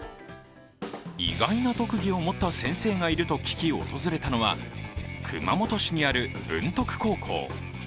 意外な特技を持った先生がいると聞き訪れたのは熊本市にある文徳高校。